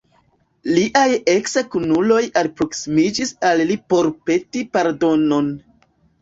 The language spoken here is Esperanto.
Liaj eks-kunuloj alproksimiĝis al li por peti pardonon.